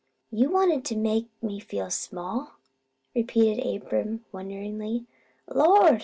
"You wanted to make me feel small," repeated Abram, wonderingly. "Lord!